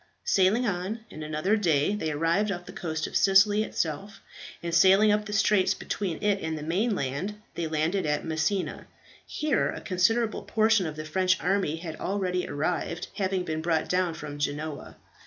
Sailing on, in another day they arrived off the coast of Sicily itself, and sailing up the straits between it and the mainland, they landed at Messina. Here a considerable portion of the French army had already arrived, having been brought down from Genoa.